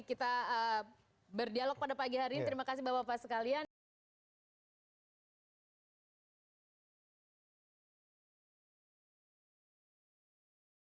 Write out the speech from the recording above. kita berdialog pada pagi hari ini